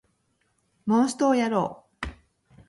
モンストをやろう